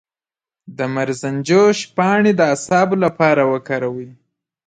د مرزنجوش پاڼې د اعصابو لپاره وکاروئ